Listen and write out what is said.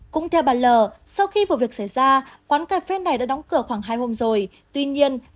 cũng theo bà l sau khi vụ việc xảy ra quán cà phê này đã đóng cửa khoảng hai hôm rồi tuy nhiên lại mở bán lại bình thường